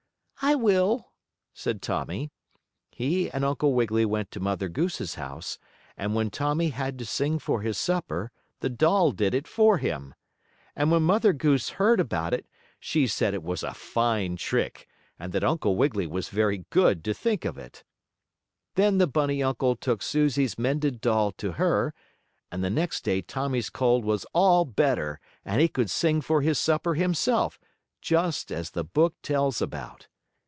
"I will," said Tommie. He and Uncle Wiggily went to Mother Goose's house, and when Tommie had to sing for his supper the doll did it for him. And when Mother Goose heard about it she said it was a fine trick, and that Uncle Wiggily was very good to think of it. Then the bunny uncle took Susie's mended doll to her, and the next day Tommie's cold was all better and he could sing for his supper himself, just as the book tells about.